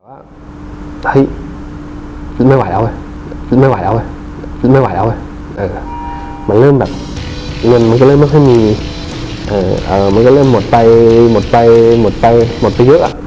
เฮ้ยไม่ไหวแล้วเหมือนก็เริ่มไม่ค่อยมีมันก็เริ่มหมดไปหมดไปเยอะ